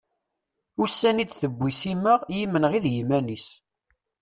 Ussan i d-tewwi Sima yimenɣi d yiman-is.